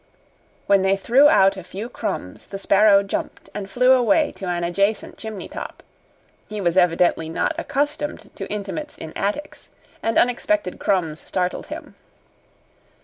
When they threw out a few crumbs the sparrow jumped and flew away to an adjacent chimney top. He was evidently not accustomed to intimates in attics, and unexpected crumbs startled him.